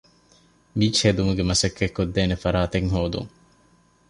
ބީޗްހެދުމުގެ މަސައްކަތް ކޮށްދޭނެ ފަރާތެއް ހޯދުން